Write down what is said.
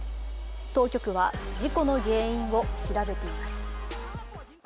当局は事故の原因を調べています。